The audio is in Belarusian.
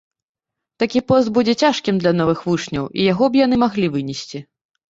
Такі пост будзе цяжкім для новых вучняў, і яго б яны маглі вынесці.